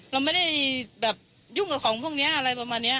เราไม่ได้แบบยุ่งกับของพวกนี้อะไรประมาณนี้